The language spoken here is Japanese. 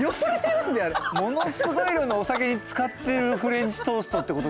ものすごい量のお酒に漬かってるフレンチトーストってことですよね。